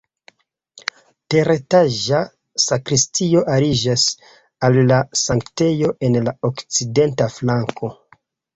Teretaĝa sakristio aliĝas al la sanktejo en la okcidenta flanko.